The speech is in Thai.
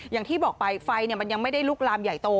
อย่างที่บอกไปไฟมันยังไม่ได้ลุกลามใหญ่โต